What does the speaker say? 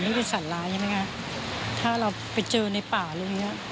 ไม่เป็นสัตว์ร้ายใช่ไหมฮะถ้าเราไปเจอในป่าอะไรอย่างเงี้ย